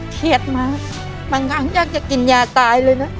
เครียดมากบางครั้งอยากจะกินยาตายเลยนะ